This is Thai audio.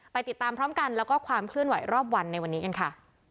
ติดตามพร้อมกันแล้วก็ความเคลื่อนไหวรอบวันในวันนี้กันค่ะ